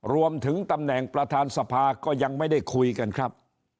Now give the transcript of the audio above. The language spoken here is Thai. รวมถึงตำแหน่งประธานสภาก็ยังไม่ได้คุยกันครับ